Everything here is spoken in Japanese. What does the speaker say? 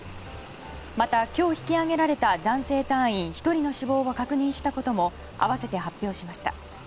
また、今日引き揚げられた男性隊員１人の死亡を確認したことも合わせて発表しました。